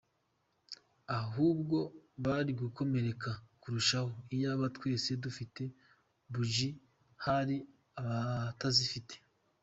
Ahubwo bari gukomereka kurushaho iyaba twese dufite buji hari abatazifite.